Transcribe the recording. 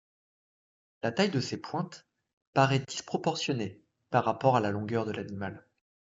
La taille de ces pointes, paraît disproportionnée par rapport à la longueur de l'animal.